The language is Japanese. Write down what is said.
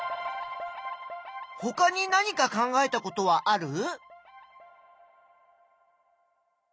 ほかに何か考えたことはある？